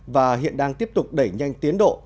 và hiện đang tiếp tục đẩy nhanh tiến độ